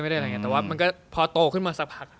แต่ว่าพอโตขึ้นมาสักผัก